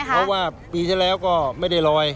เพราะว่าปีที่แล้วก็ไม่ได้ลอย